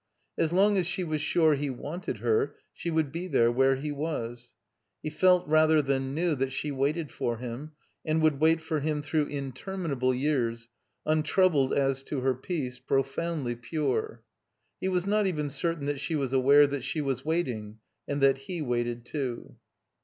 As long as she was sure he wanted her, she would be there, where he was. He felt rather than knew that she waited for him, and would wait for him through interminable years, tm troubled as to her peace, profotmdly pure. He was not even certain that she was aware that she was waiting and that he waited too.